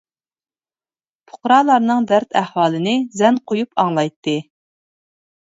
پۇقرالارنىڭ دەرد ئەھۋالىنى زەن قۇيۇپ ئاڭلايتتى.